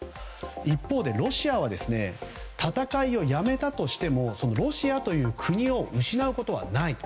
一方でロシアは戦いをやめたとしてもロシアという国を失うことはない。